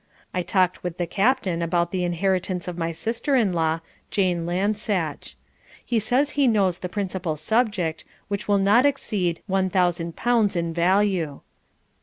I talked with the captain about the inheritance of my sister in law, Jane Lansache. He says he knows the principal subject, which will not exceed L1000 in value.